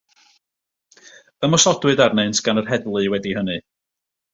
Ymosodwyd arnynt gan yr heddlu wedi hynny.